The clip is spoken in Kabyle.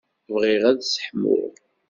Bɣiɣ ad sseḥmuɣ.